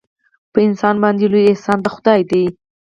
په انسان باندې لوی احسان د خدای دی.